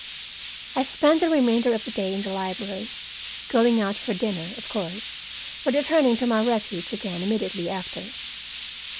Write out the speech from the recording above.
I spent the remainder of the day in the library, going out for dinner, of course, but returning to my refuge again immediately after.